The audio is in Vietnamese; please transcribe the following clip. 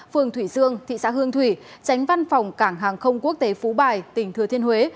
phường thủy dương thị xã hương thủy tránh văn phòng cảng hàng không quốc tế phú bài tỉnh thừa thiên huế